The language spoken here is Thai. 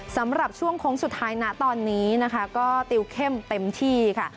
สำหรับช่วงโค้งสุดท้ายนะตอนนี้นะคะก็ติวเข้มเต็มที่ค่ะ